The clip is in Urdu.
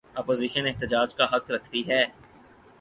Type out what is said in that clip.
اپوزیشن احتجاج کا حق رکھتی ہے۔